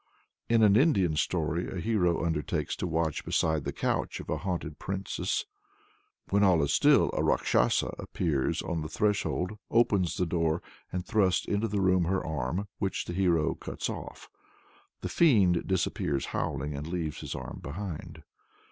In an Indian story, a hero undertakes to watch beside the couch of a haunted princess. When all is still a Rákshasa appears on the threshold, opens the door, and thrusts into the room an arm which the hero cuts off. The fiend disappears howling, and leaves his arm behind.